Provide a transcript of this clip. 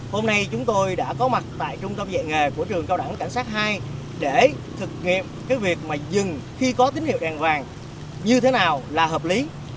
hôm nay chúng tôi đã có mặt tại trung tâm dạy nghề của trường cao đẳng cảnh sát hai để thực nghiệm cái việc mà dừng khi có tín hiệu đèn vàng như thế nào là hợp lý